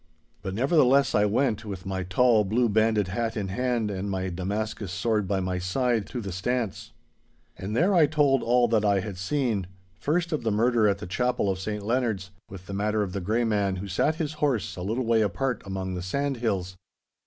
But, nevertheless, I went, with my tall, blue banded hat in hand and my Damascus sword by my side, to the stance. And there I told all that I had seen—first of the murder at the Chapel of St Leonards, with the matter of the Grey Man who sat his horse a little way apart among the sandhills.